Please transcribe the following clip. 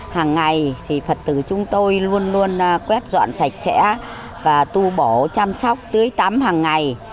hằng ngày phật tử chúng tôi luôn luôn quét dọn sạch sẽ và tu bổ chăm sóc tưới tắm hằng ngày